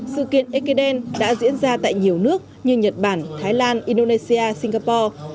sự kiện ekiden đã diễn ra tại nhiều nước như nhật bản thái lan indonesia singapore